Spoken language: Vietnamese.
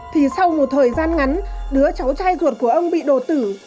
thì sau một thời gian ngắn đứa cháu trai ruột của ông bị đột tử